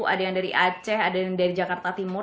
ada yang dari aceh ada yang dari jakarta timur